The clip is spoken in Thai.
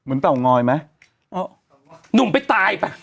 เอ้า